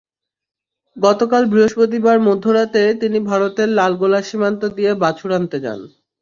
গতকাল বৃহস্পতিবার মধ্যরাতে তিনি ভারতের লালগোলা সীমান্ত দিয়ে বাছুর আনতে যান।